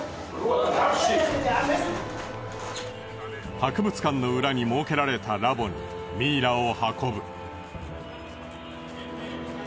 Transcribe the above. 博物館の裏に設けられたラボにミイラを運ぶ。